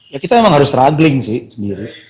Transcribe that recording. ya kita memang harus struggling sih sendiri